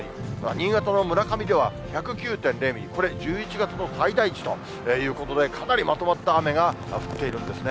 新潟の村上では１０９．０ミリ、これ、１１月の最大値ということで、かなりまとまった雨が降っているんですね。